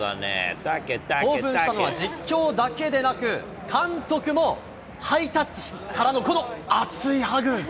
興奮したのは実況だけでなく、監督もハイタッチからのこの熱いハグ。